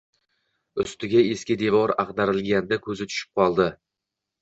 Ustiga eski devor ag‘darilganiga ko‘zi tushib qoldi.